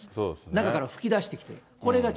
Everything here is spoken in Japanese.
中から噴き出してきてる。